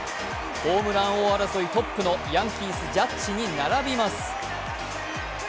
ホームラン王争いトップのヤンキース・ジャッジに並びます。